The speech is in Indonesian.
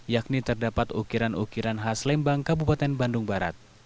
yakni terdapat ukiran ukiran khas lembang kabupaten bandung barat